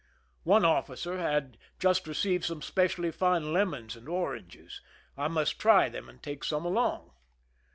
One officer had jus t received some specially fine lemons and oranges : I^ must try them and take some along.